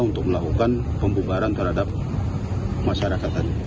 untuk melakukan pembukaran terhadap masyarakat